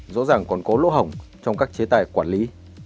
rõ ràng còn có lỗ hỏng trong các chế tài quản lý